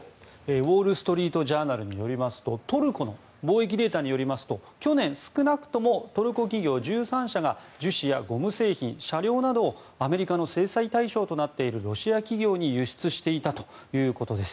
ウォール・ストリート・ジャーナルによりますとトルコの貿易データによりますと去年、少なくともトルコ企業１３社が樹脂やゴム製品、車両などをアメリカの制裁対象となっているロシア企業に輸出していたということです。